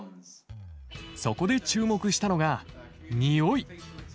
そこで注目したのが匂い。